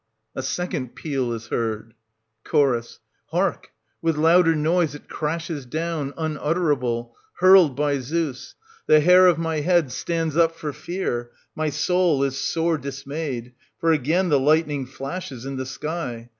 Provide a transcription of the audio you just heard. \A second peal is heard. ant. I, Ch. Hark! With louder noise it crashes down, unutterable, hurled by Zeus ! The hair of my head stands up for fear, my soul is sore dismayed ; for again the lightning flashes in the sky.